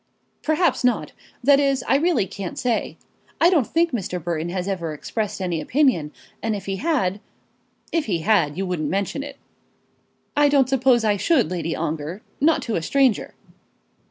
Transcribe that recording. "Perhaps not; that is, I really can't say. I don't think Mr. Burton has ever expressed any such opinion; and if he had " "If he had, you wouldn't mention it." "I don't suppose I should, Lady Ongar; not to a stranger."